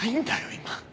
今。